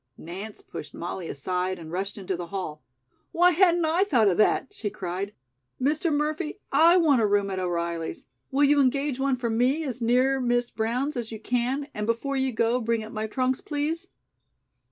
Nance pushed Molly aside and rushed into the hall. "Why hadn't I thought of that?" she cried. "Mr. Murphy, I want a room at O'Reilly's. Will you engage one for me as near Miss Brown's as you can, and before you go bring up my trunks, please?"